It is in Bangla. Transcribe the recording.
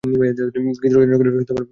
গীত রচনা করেছেন দেওয়ান নজরুল।